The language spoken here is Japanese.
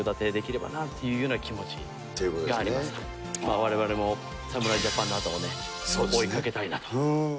われわれも侍ジャパンのあとを追いかけたいなと。